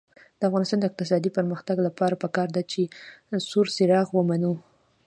د افغانستان د اقتصادي پرمختګ لپاره پکار ده چې سور څراغ ومنو.